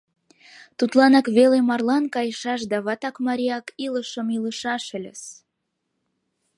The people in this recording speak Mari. Тудланак веле марлан кайышаш да ватак-марияк илышым илышаш ыльыс.